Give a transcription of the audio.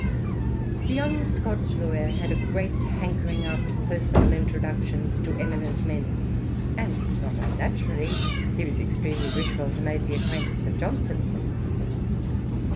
The joung Scotch lawyer had a great hankering after personal introductions to eminent men, and not unnaturally he was extremely wishful to make the acquaintance of Johnson.